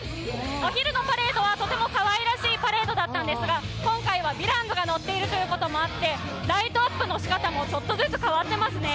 お昼のパレードはとてもかわいらしいパレードだったんですが、今回はヴィランズが乗っているということもあってライトアップのしかたもちょっとずつ変わってますね。